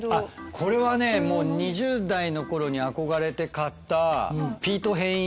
これはねもう２０代の頃に憧れて買った。